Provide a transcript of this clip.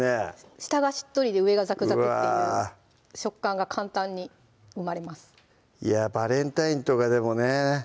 下がしっとりで上がザクザクっていう食感が簡単に生まれますバレンタインとかでもね